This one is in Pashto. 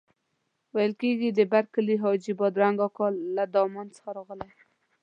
ویل کېږي د برکلي حاجي بادرنګ اکا له دمان څخه راغلی.